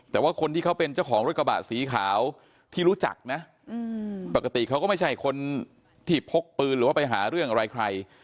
แต่ว่าคนที่เขาเป็นเจ้าของรถกระบะสีขาวที่รู้จักนะปกติเขาก็ไม่ใช่คนที่พกปืนหรือว่าไปหาเรื่องอะไรใคร